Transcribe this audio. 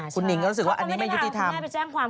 คุณหิงก็รู้สึกว่าอันนี้ไม่ยุติธรรม